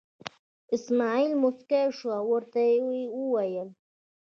اسمعیل موسکی شو او ورته یې وویل.